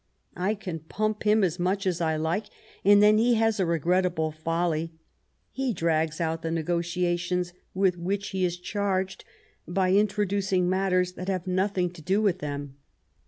I can pump him as much as I like. And then he has a regrettable folly — he drags out the negotiations with which he is charged by introducing matters that have nothing to do with them."